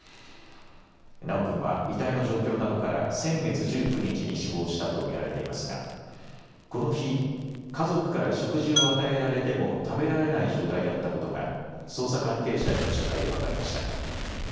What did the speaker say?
修くんは遺体の状況などから、先月１９日に死亡したと見られていますが、この日、家族から食事を与えられても食べられない状態だったことが、捜査関係者への取材で分かりました。